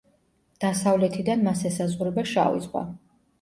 დასავლეთიდან მას ესაზღვრება შავი ზღვა.